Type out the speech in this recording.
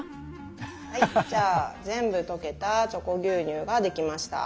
はい全部とけた「チョコ牛乳」ができました。